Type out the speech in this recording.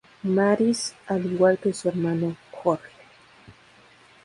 Mary's, al igual que su hermano Jorge.